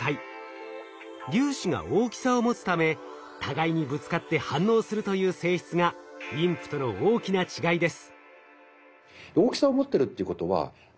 粒子が大きさを持つため互いにぶつかって反応するという性質がＷＩＭＰとの大きな違いです。